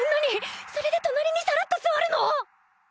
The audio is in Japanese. それで隣にサラッと座るの！？